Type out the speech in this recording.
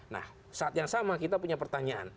nah saat yang sama kita punya pertanyaan